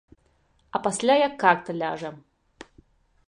А пасля як карта ляжа.